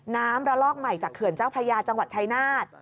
ระลอกใหม่จากเขื่อนเจ้าพระยาจังหวัดชายนาฏ